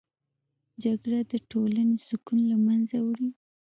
جګړه د ټولنې سکون له منځه وړي